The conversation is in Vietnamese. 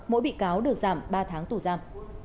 mỗi bị cáo được giảm ba tháng tù giam